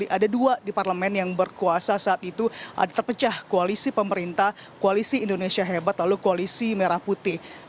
ada dua di parlemen yang berkuasa saat itu ada terpecah koalisi pemerintah koalisi indonesia hebat lalu koalisi merah putih